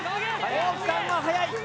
大木さんは速い。